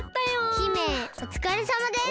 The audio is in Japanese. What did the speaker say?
姫おつかれさまです。